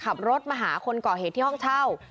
ขับรถมาหาคนก่อเหตุที่ห้องเช่า